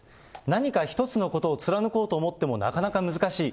何か１つのことを貫こうと思っても、なかなか難しい。